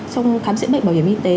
trong khám chữa bệnh bảo hiểm y tế